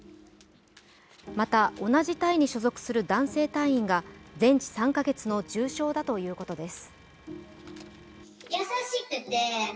また、同じ隊に所属する男性隊員が全治３か月の重傷だということです